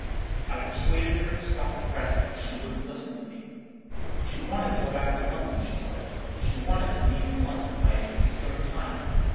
I persuaded her to stop and rest; but she wouldn't listen to me. She wanted to go back to London, she said; she wanted to be in London by a particular time.